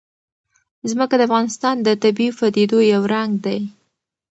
ځمکه د افغانستان د طبیعي پدیدو یو رنګ دی.